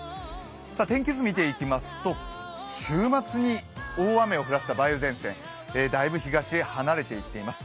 天気図、見ていきますと週末に大雨を降らせた梅雨前線、だいぶ東へ離れていってます。